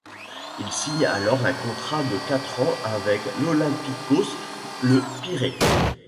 Il signe alors un contrat de quatre ans avec l'Olympikos Le Pirée.